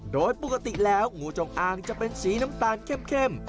โดยปกติแล้วงูจงอางจะเป็นสีน้ำตาลเข้ม